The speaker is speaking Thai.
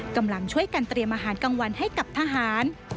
กำลังช่วยกันเตรียมอาหารกลางวันให้กับทหาร